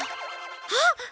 あっ！